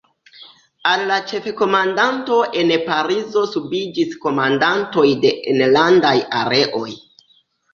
Al la Ĉefkomandanto en Parizo subiĝis komandantoj de enlandaj Areoj.